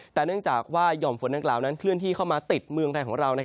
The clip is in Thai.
แต่เนื่องจากว่าหย่อมฝนดังกล่าวนั้นเคลื่อนที่เข้ามาติดเมืองไทยของเรา